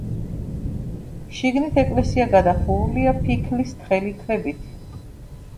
შიგნით ეკლესია გადახურულია ფიქლის თხელი ქვებით.